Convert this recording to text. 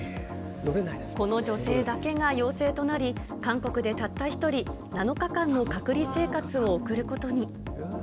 この女性だけが陽性となり、韓国でたった一人、７日間の隔離生活を送ることに。